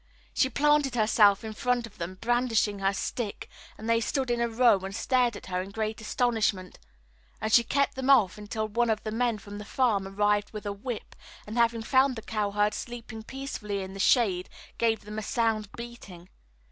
She planted herself in front of them brandishing her stick, and they stood in a row and stared at her in great astonishment; and she kept them off until one of the men from the farm arrived with a whip, and having found the cowherd sleeping peacefully in the shade, gave him a sound beating.